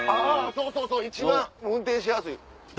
そうそうそう一番運転しやすい。